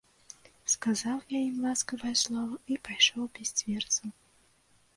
Сказаў я ім ласкавае слова і пайшоў без дзверцаў.